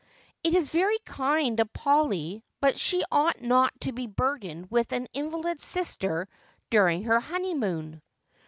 ' It is very kind of Polly, but she ought not to be burdened with an invalid sister during her honeymoon.'